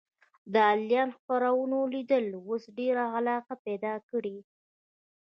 د انلاین خپرونو لیدل اوس ډېره علاقه پیدا کړې.